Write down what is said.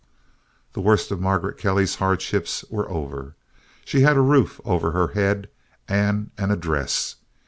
The worst of Margaret Kelly's hardships were over. She had a roof over her head, and an "address."